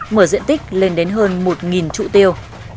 mở diện tích lên đến hơn một trụ tiêu